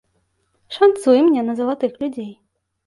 Шанцуе мне на залатых людзей.